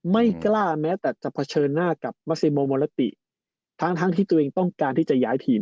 ไม่กล้าแม้แต่จะเผชิญหน้ากับมัสเซโมโมลาติทั้งทั้งที่ตัวเองต้องการที่จะย้ายทีม